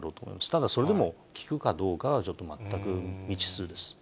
ただそれでもきくかどうかがちょっと全く未知数です。